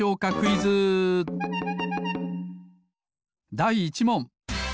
だい１もん！